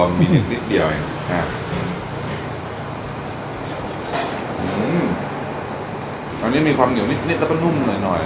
มันนิดนิดเดียวอ่ะอื้ออันนี้มีความเหนียวนิดนิดแล้วก็นุ่มหน่อยหน่อย